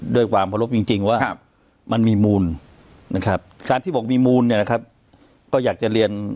ด้วยความเคารพจริงว่ามันมีมูลนะครับการที่บอกมีมูลเนี่ยนะครับก็อยากจะเรียน